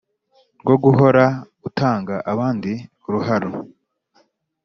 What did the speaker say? rwo guhora utanga abandi uruharo.